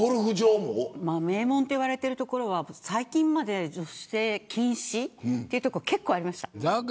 名門といわれているところは最近まで女性禁止というところが結構ありました。